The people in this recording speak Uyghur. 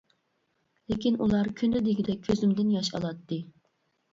لېكىن ئۇلار كۈندە دېگۈدەك كۆزۈمدىن ياش ئالاتتى.